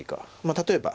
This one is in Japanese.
例えば。